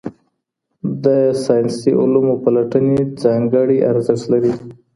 د ساینسي علومو پلټني ځانګړی ارزښت لري.